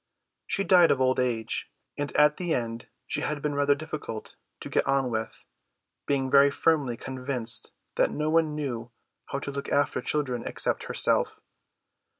She died of old age, and at the end she had been rather difficult to get on with; being very firmly convinced that no one knew how to look after children except herself.